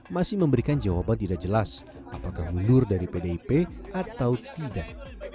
masih memberikan jawaban tidak jelas apakah mundur dari pdip atau tidak